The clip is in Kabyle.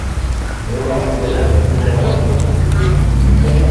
Iḍ ameggaz akk fell-awent.